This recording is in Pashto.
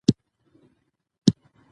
هغه غوښتل افغانستان سيال هېواد شي.